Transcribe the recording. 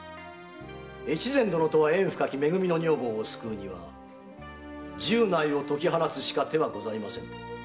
越前殿と縁深きめ組の女房を救うには十内を解き放つしか手はございません。